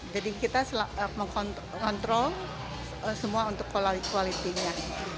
jadi kita mengontrol semua untuk kualitinya